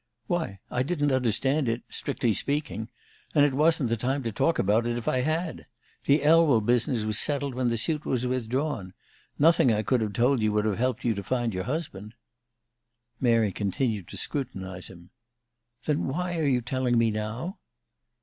"Why, I didn't understand it strictly speaking. And it wasn't the time to talk about it, if I had. The Elwell business was settled when the suit was withdrawn. Nothing I could have told you would have helped you to find your husband." Mary continued to scrutinize him. "Then why are you telling me now?"